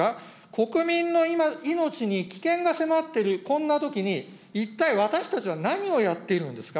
国民の命に危険が迫っている、こんなときに、一体私たちは何をやっているんですか。